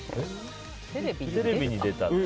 テレビに出た。